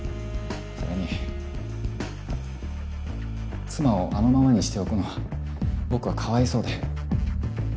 それに妻をあのままにしておくのは僕は可哀想で。